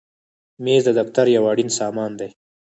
مېز د دفتر یو اړین سامان دی.